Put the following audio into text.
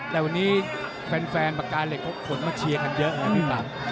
แต่วันนี้แฟนปากกาเหล็กเขาขนมาเชียร์กันเยอะไงพี่ปาก